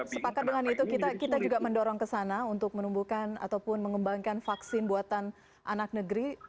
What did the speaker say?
sepakat dengan itu kita juga mendorong ke sana untuk menumbuhkan ataupun mengembangkan vaksin buatan anak negeri